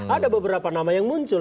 ada beberapa nama yang muncul